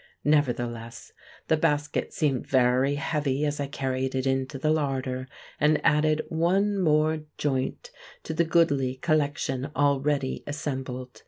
Nevertheless, the basket seemed very heavy as I carried it into the larder, and added one more joint to the goodly collection already assembled.